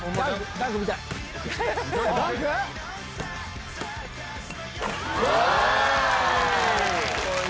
ダンク見たい。